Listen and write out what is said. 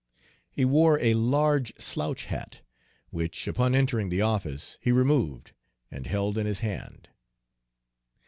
He wore a large slouch hat, which, upon entering the office, he removed and held in his hand.